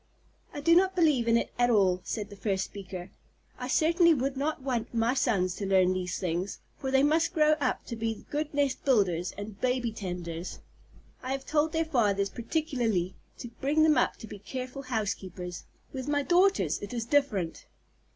"I do not believe in it at all," said the first speaker. "I certainly would not want my sons to learn these things, for they must grow up to be good nest builders and baby tenders. I have told their fathers particularly to bring them up to be careful housekeepers. With my daughters, it is different."